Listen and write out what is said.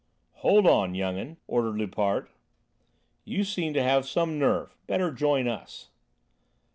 "Hold on, young 'un," ordered Loupart. "You seem to have some nerve; better join us."